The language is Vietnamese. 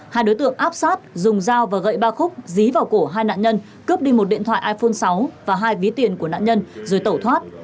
hai đối tượng áp sát dùng dao và gậy ba khúc dí vào cổ hai nạn nhân cướp đi một điện thoại iphone sáu và hai ví tiền của nạn nhân rồi tẩu thoát